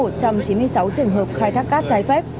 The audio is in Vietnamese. một trăm chín mươi sáu trường hợp khai thác cát trái phép